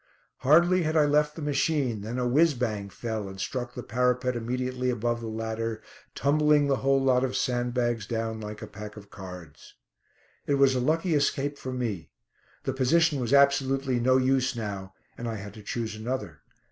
Hardly had I left the machine than a "whizz bang" fell and struck the parapet immediately above the ladder, tumbling the whole lot of sandbags down like a pack of cards. It was a lucky escape for me. The position was absolutely no use now, and I had to choose another.